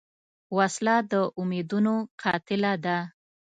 وسله د امیدونو قاتله ده